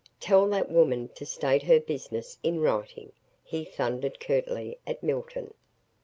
"Tell that woman to state her business in writing," he thundered curtly at Milton.